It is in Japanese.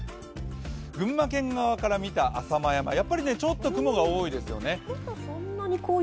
群馬県側から見た浅間山、ちょっと雲が多いですよね。